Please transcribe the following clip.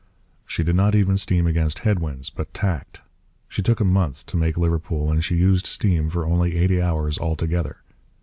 She did not even steam against head winds, but tacked. She took a month to make Liverpool, and she used steam for only eighty hours altogether.